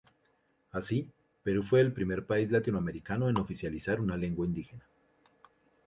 Así, Perú fue el primer país latinoamericano en oficializar una lengua indígena.